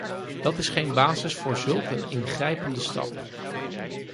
Dat is geen basis voor zulk een ingrijpende stap.